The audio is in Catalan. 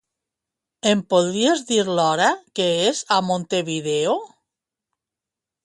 Em podries dir l'hora que és a Montevideo?